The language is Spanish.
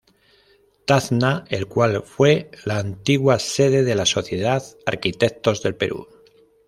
Tacna, el cual fue la antigua sede de la Sociedad Arquitectos del Perú.